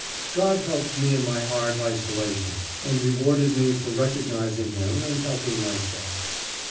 God helped me in my art isolation, and rewarded me for recognising him and helping myself.